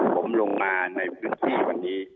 ผมลงมาในพื้นที่วันนี้